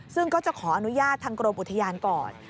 ซึ่งก็จะขออนุญาตทางกรมอุทยานก่อน